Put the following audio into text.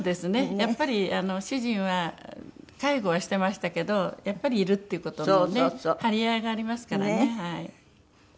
やっぱり主人は介護はしてましたけどやっぱりいるっていう事のね張り合いがありますからね。